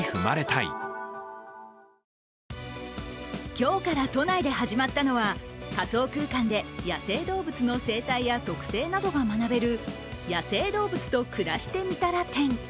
今日から都内で始まったのは仮想空間で野生動物の生態や特性などが学べる野生動物と暮らしてみたら展。